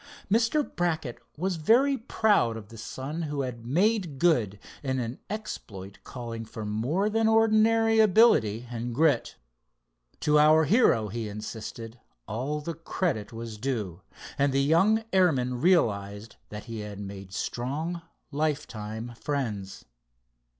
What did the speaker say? Mr. Brackett was very proud of the son who had "made good" in an exploit calling for more than ordinary ability and grit. To our hero he insisted all the credit was due, and the young airman realized that he had made strong, lifetime friends.